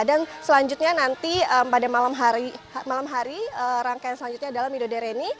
dan selanjutnya nanti pada malam hari rangkaian selanjutnya adalah midodereni